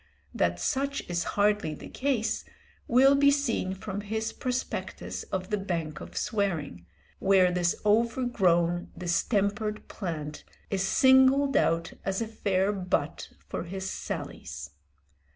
That such is hardly the case will be seen from his prospectus of the Bank of Swearing, where this overgrown distempered plant is singled out as a fair butt for his sallies.